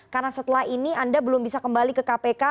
karena setelah ini anda belum bisa kembali ke kpk